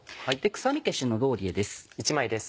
臭み消しのローリエです。